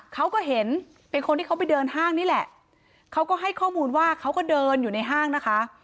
เขาก็เห็นเป็นคนที่เขาไปเดินห้างนี่แหละเขาก็ให้ข้อมูลว่าเขาก็เดินอยู่ในห้างนะคะ